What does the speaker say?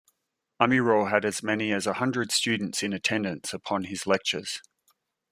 Amyraut had as many as a hundred students in attendance upon his lectures.